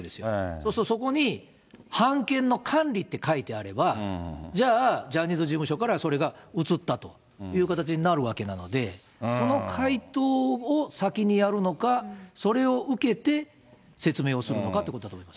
そうすると、そこに版権の管理って書いてあれば、じゃあ、ジャニーズ事務所からそれが移ったという形になるわけなので、その回答を先にやるのか、それを受けて説明をするのかっていうことだと思います。